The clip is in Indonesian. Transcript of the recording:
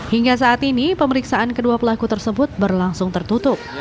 hingga saat ini pemeriksaan kedua pelaku tersebut berlangsung tertutup